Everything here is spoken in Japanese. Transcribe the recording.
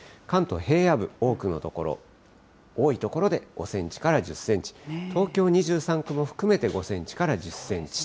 関東平野部、多くの所、多い所で５センチから１０センチ、東京２３区も含めて５センチから１０セ